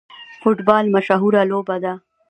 فوټبال مشهوره لوبه ده